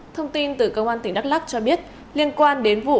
thông tin từ công an tỉnh đắk lắc cho biết liên quan đến vụ